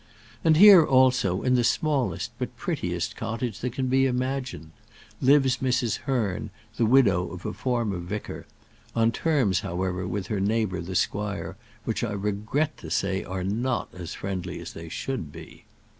And here also, in the smallest but prettiest cottage that can be imagined, lives Mrs. Hearn, the widow of a former vicar, on terms, however, with her neighbour the squire which I regret to say are not as friendly as they should be.